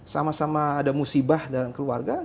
sama sama ada musibah dalam keluarga